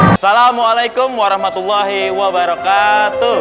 assalamualaikum warahmatullahi wabarakatuh